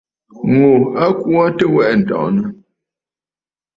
Ŋù a kwo aa tɨ̀ wɛʼɛ̀ ǹtɔ̀ʼɔ̀nə̀.